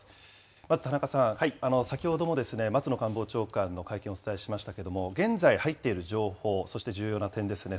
まず田中さん、先ほども松野官房長官の会見をお伝えしましたけれども、現在、入っている情報、そして重要な点ですね。